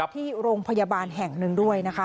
ที่โรงพยาบาลแห่งหนึ่งด้วยนะคะ